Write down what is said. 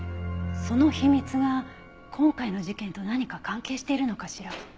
その秘密が今回の事件と何か関係しているのかしら。